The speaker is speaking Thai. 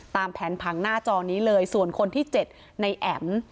ตามแผนผังหน้าจอนี้เลยส่วนคนที่๗ในแอ๋ม